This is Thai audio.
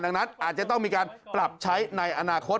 ดังนั้นอาจจะต้องมีการปรับใช้ในอนาคต